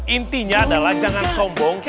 intinya adalah jangan sombong